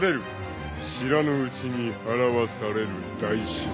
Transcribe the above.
［知らぬうちに払わされる代償］